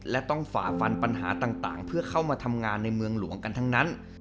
และต้องฝ่าฟันปัญหาต่างเพื่อเข้ามาทำงานในเมืองหลวงกันทั้งนั้น